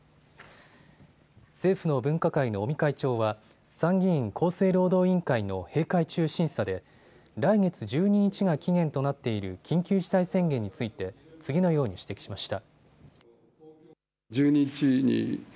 政府の分科会の尾身会長は参議院厚生労働委員会の閉会中審査で来月１２日が期限となっている緊急事態宣言について次のように指摘しました。